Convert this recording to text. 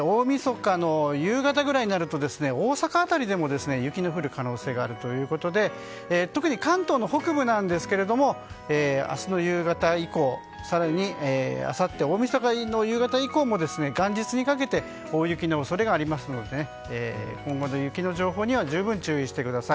大みそかの夕方ぐらいになると大阪辺りでも雪の降る可能性があるということで特に関東の北部なんですが明日の夕方以降、更に、あさって大みそかの夕方以降も元日にかけて大雪の恐れがありますので今後の雪の情報には十分注意してください。